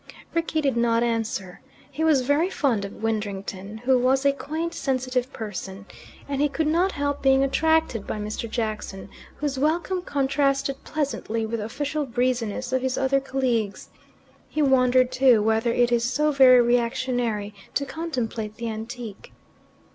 Rickie did not answer. He was very fond of Widdrington, who was a quaint, sensitive person. And he could not help being attracted by Mr. Jackson, whose welcome contrasted pleasantly with the official breeziness of his other colleagues. He wondered, too, whether it is so very reactionary to contemplate the antique.